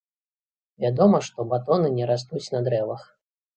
Вядома, што батоны не растуць на дрэвах.